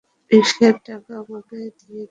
রিকশার টাকা আমাকে দিয়ে দিস।